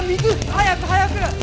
早く早く！